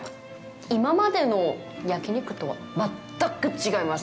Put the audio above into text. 今までの焼き肉とは全く違います！